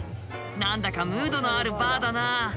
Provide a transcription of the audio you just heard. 何だかムードのあるバーだな。